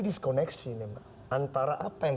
diskoneksi antara apa yang